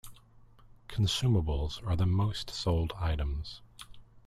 Consumables are the most sold items.